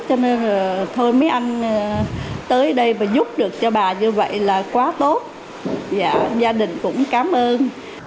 cho nên là thôi mấy anh tới đây và giúp được cho bà như vậy là quá tốt và gia đình cũng cảm ơn